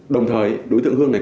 đồng thời đối tượng hương này